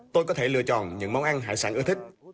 tôi có thể lựa chọn những món ăn hải sản ưa thích